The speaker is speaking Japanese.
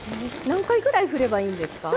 何回ぐらい振ればいいんですか？